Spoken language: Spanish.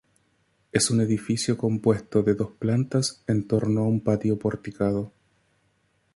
Es un edificio compuesto de dos plantas en torno a un patio porticado.